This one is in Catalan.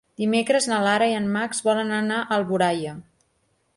Dimecres na Lara i en Max volen anar a Alboraia.